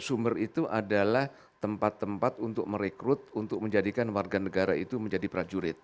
sumber itu adalah tempat tempat untuk merekrut untuk menjadikan warga negara itu menjadi prajurit